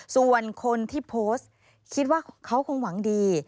ส่วนคนที่โพสต์คิดว่าเขาคงหวังดี